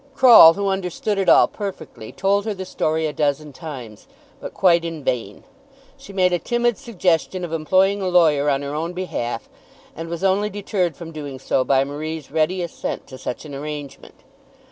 Croll, who understood it all perfectly, told her the story a dozen times, but quite in vain. She made a timid suggestion of employing a lawyer on her own behalf, and was only deterred from doing so by Marie's ready assent to such an arrangement.